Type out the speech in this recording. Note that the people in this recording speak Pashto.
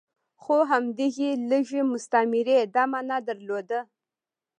خو همدغې لږې مستمرۍ دا معنی درلوده.